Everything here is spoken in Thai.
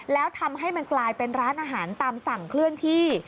แล้วทำให้มันกลายเป็นร้านอาหารตามสั่งเคลื่อนที่